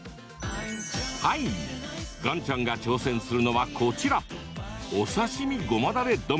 岩ちゃんが挑戦するのはこちら、お刺身ごまだれ丼。